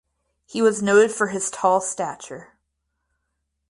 He was noted for his tall stature.